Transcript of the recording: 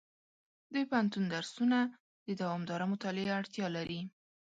د پوهنتون درسونه د دوامداره مطالعې اړتیا لري.